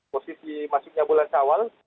posisi masuknya bulan shawal